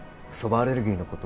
アレルギーのこと